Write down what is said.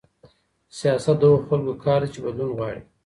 سياست د هغو خلګو کار دی چي بدلون غواړي.